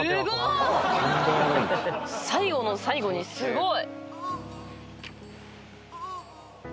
最後の最後にすごい。